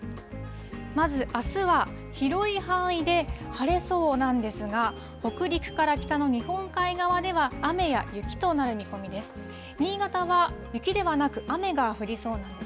まず、あすは広い範囲で晴れそうなんですが、北陸から北の日本海側では雨や雪となる見込みです。